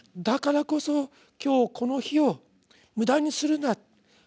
だからこそ今日この日を無駄にするな。